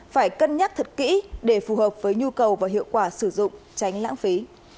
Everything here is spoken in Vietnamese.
phải cân nhắc thật kỹ để phù hợp với nhu cầu và hiệu quả sử dụng tránh lãng phí